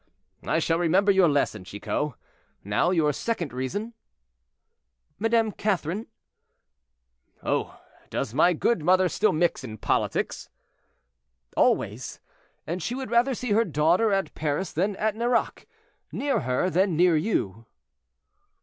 "I shall remember your lesson, Chicot. Now, your second reason." "Madame Catherine—" "Oh! does my good mother still mix in politics?" "Always; and she would rather see her daughter at Paris than at Nerac—near her than near you."